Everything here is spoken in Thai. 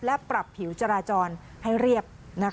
และปรับผิวจราจรให้เรียบ